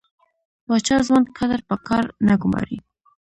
پاچا ځوان کدر په کار نه ګماري .